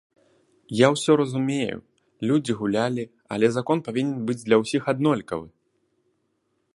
Я ўсё разумею, людзі гулялі, але закон павінен быць для ўсіх аднолькавы.